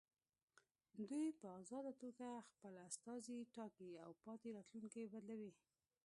دوی په ازاده توګه خپل استازي ټاکي او پاتې راتلونکي بدلوي.